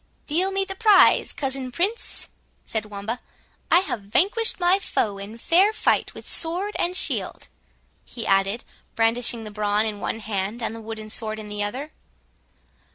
"Deal me the prize, cousin Prince," said Wamba; "I have vanquished my foe in fair fight with sword and shield," he added, brandishing the brawn in one hand and the wooden sword in the other.